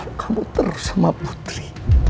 oh kamu terus sama putri